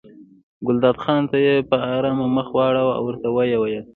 ګلداد خان ته یې په ارامه مخ واړاوه او ورته ویې ویل.